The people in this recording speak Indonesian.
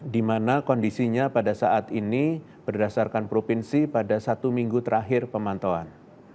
di mana kondisinya pada saat ini berdasarkan provinsi pada satu minggu terakhir pemantauan